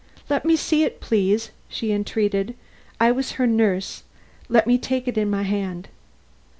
"Let me see it, please," she entreated. "I was her nurse; let me take it in my hand."